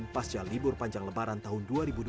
pasca libur panjang lebaran tahun dua ribu dua puluh